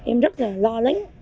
em rất là lo lắng